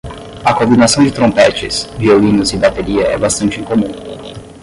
A combinação de trompetes, violinos e bateria é bastante incomum.